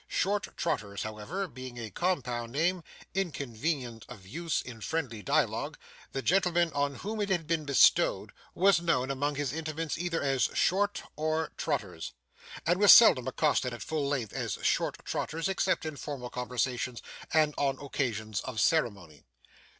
Short Trotters however, being a compound name, inconvenient of use in friendly dialogue, the gentleman on whom it had been bestowed was known among his intimates either as 'Short,' or 'Trotters,' and was seldom accosted at full length as Short Trotters, except in formal conversations and on occasions of ceremony.